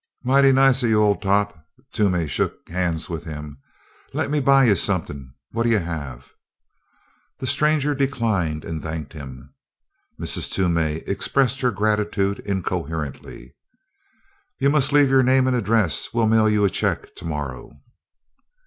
"Mighty nice of you, Old Top!" Toomey shook hands with him. "Lemme buy you somethin'. Wha'll you have?" The stranger declined and thanked him. Mrs. Toomey expressed her gratitude incoherently. "You must leave your name and address; we'll mail you a check to morrow."